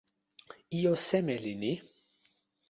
ijo seme li ni?